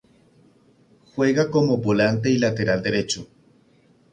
Juega como Volante y Lateral derecho.